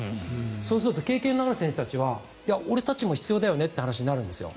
そうすると経験のある選手たちは俺たちも必要だよねという話になるんですよ。